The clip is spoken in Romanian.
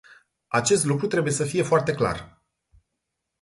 Acest lucru trebuie să fie foarte clar.